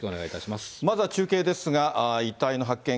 まずは中継ですが、遺体の発見